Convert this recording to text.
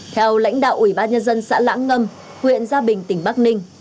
theo lãnh đạo ủy ban nhân dân xã lãng ngâm huyện gia bình tỉnh bắc ninh